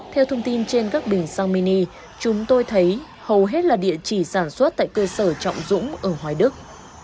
theo thông tin trên các biển sang mini chúng tôi thấy hầu hết là địa chỉ sản xuất tại cơ sở trọng dũng ở hoài đức